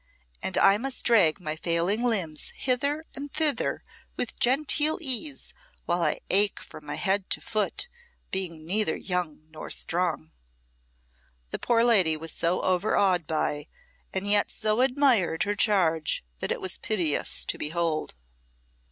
And I must drag my failing limbs hither and thither with genteel ease while I ache from head to foot, being neither young nor strong." The poor lady was so overawed by, and yet so admired, her charge, that it was piteous to behold.